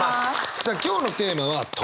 さあ今日のテーマは「友達」。